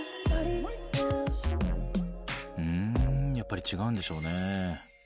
ふんやっぱり違うんでしょうね